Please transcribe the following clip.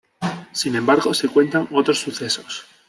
Sin embargo, se cuentan otros sucesos.